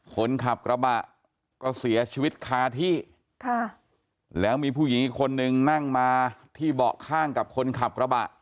คนขับกระบะก็เสียชีวิตคาที่ค่ะแล้วมีผู้หญิงอีกคนนึงนั่งมาที่เบาะข้างกับคนขับกระบะ